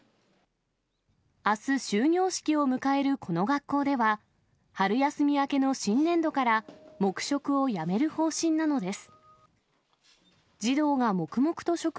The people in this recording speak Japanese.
あす終業式を迎えるこの学校では、春休み明けの新年度から、黙食をやめる方針なのです。